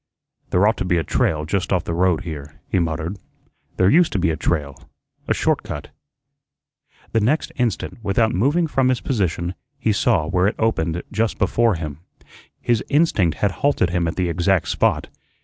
"There ought to be a trail just off the road here," he muttered. "There used to be a trail a short cut." The next instant, without moving from his position, he saw where it opened just before him. His instinct had halted him at the exact spot.